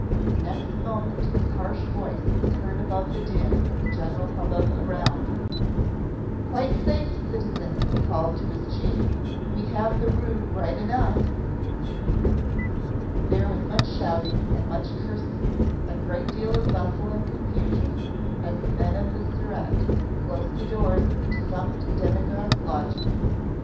The next moment his harsh voice was heard above the din and the general hubbub around: "Quite safe, citizen!" he called to his chief. "We have the rogue right enough!" There was much shouting and much cursing, a great deal of bustle and confusion, as the men of the Surete closed the doors of the defunct demagogue's lodgings.